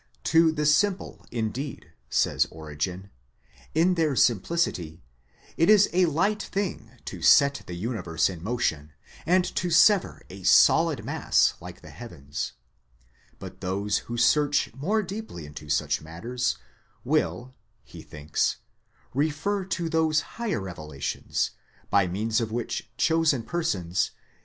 To the simple indeed, says Origen, in their simplicity, it is a light thing to set the universe in motion, and to sever a solid mass like the heavens; but those who search more deeply into such matters, will, he thinks, refer to those higher revelations, by means of which chosen persons